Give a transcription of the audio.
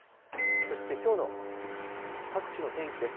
そしてきょうの各地の天気です。